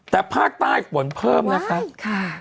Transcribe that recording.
แต่ภาคใต้ฝนเพิ่มนะคะระว้ายค่ะ